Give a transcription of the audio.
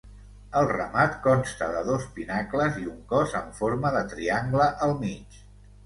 El remat consta de dos pinacles i un cos en forma de triangle al mig.